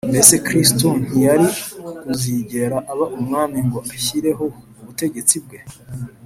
mbese kristo ntiyari kuzigera aba umwami ngo ashyireho ubutegetsi bwe?